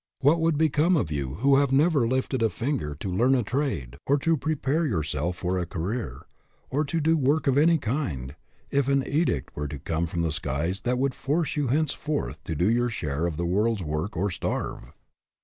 What would become of you who have never lifted your finger to learn a trade or to prepare yourself for a career, or to do work of any kind, if an edict were to come from the skies that would force you henceforth to do your share of the world's work or starve?